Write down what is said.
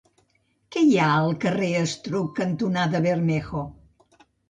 Què hi ha al carrer Estruc cantonada Bermejo?